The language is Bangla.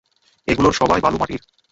এগুলোর সবাই বালু মাটির।